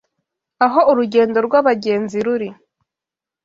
Aho urugendo rwabagenzi ruri